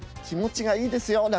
気持ちがいいですよ